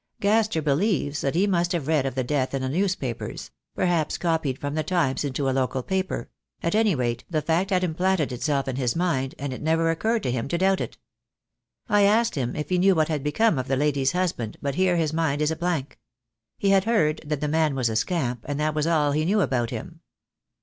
"Gaster believes that he must have read of the death in the newspapers; perhaps copied from the Times into a local paper; at any rate, the fact had implanted itself in his mind, and it had never occurred to him to doubt it. "I asked him if he knew what had become of the lady's husband, but here his mind is a blank. He had heard that the man was a scamp, and that was all he knew about him.